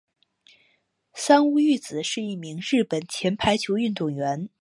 三屋裕子是一名日本前排球运动员。